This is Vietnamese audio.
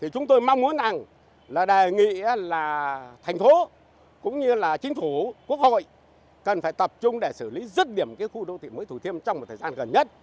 chúng tôi mong muốn là đề nghị thành phố cũng như chính phủ quốc hội cần phải tập trung để xử lý rất điểm khu đô thị mới thủ thiêm trong thời gian gần nhất